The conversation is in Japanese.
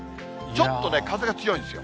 ちょっとね、風が強いんですよ。